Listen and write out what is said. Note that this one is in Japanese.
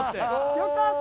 よかった！